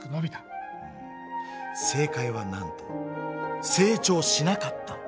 うん正解はなんと成長しなかった。